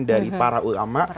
dari para ulama